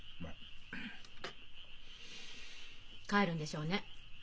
帰るんでしょうね？